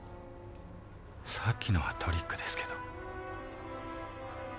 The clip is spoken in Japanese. さっきのはトリックですけど。